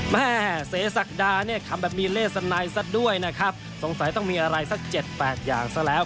แม่เสศักดาเนี่ยทำแบบมีเลสไนซะด้วยนะครับสงสัยต้องมีอะไรสักเจ็ดแปดอย่างซะแล้ว